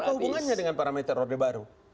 apa hubungannya dengan parameter orde baru